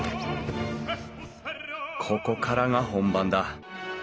ここからが本番だ。